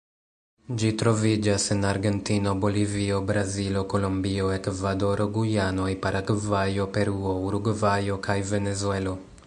Ĝi troviĝas en Argentino, Bolivio, Brazilo, Kolombio, Ekvadoro, Gujanoj, Paragvajo, Peruo, Urugvajo kaj Venezuelo.